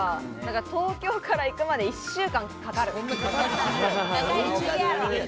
東京から行くまで１週間かかる。